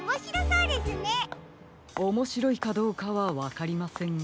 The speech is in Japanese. おもしろいかどうかはわかりませんが。